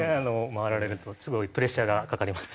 回られるとすごいプレッシャーがかかります。